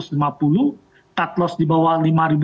cutloss di bawah lima dua ratus